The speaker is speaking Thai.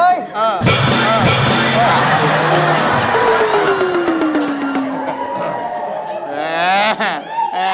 อาหารการกิน